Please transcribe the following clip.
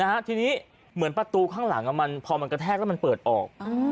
นะฮะทีนี้เหมือนประตูข้างหลังอ่ะมันพอมันกระแทกแล้วมันเปิดออก